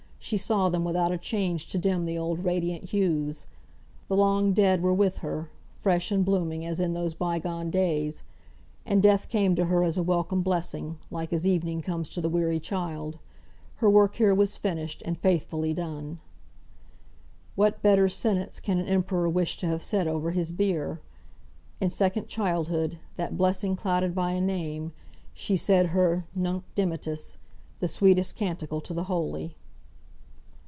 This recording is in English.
she saw them without a change to dim the old radiant hues. The long dead were with her, fresh and blooming as in those bygone days. And death came to her as a welcome blessing, like as evening comes to the weary child. Her work here was finished, and faithfully done. What better sentence can an emperor wish to have said over his bier? In second childhood (that blessing clouded by a name), she said her "Nunc Dimittis," the sweetest canticle to the holy.